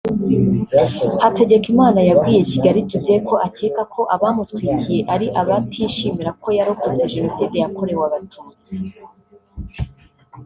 Hategekimana yabwiye Kigali today ko akeka ko abamutwikiye ari abatishimira ko yarokotse Jenoside yakorewe Abatutsi